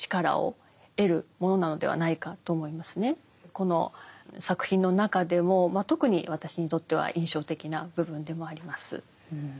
この作品の中でも特に私にとっては印象的な部分でもあります。